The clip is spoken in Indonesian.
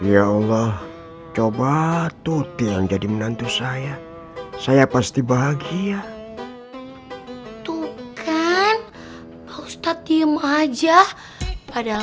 ya allah coba tuh jangan jadi menantu saya saya pasti bahagia tuh kan pak ustadz diem aja padahal